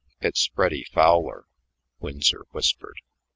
"It's Freddy Fowler," Winsor whispered.